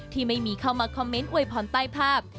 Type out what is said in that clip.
ที่ไม่มีเข้ามาคอมเมนต์อวยพรใต้ภาพ